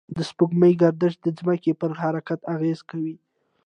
د سپوږمۍ گردش د ځمکې پر حرکت اغېز کوي.